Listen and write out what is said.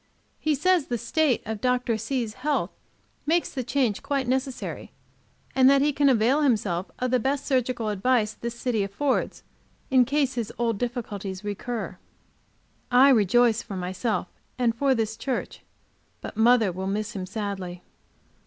He says the state of Dr. C.'s health makes the change quite necessary, and that he can avail himself of the best surgical advice this city affords, in case his old difficulties recur. I rejoice for myself and for this church, but mother will miss him sadly.